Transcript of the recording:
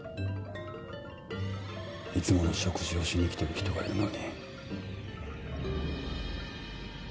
いつもの食事をしに来ている人がいるのに。